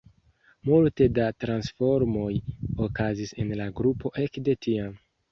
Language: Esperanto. Multe da transformoj okazis en la grupo ekde tiam.